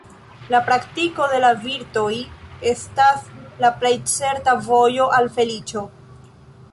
La praktiko de la virtoj estas la plej certa vojo al feliĉo.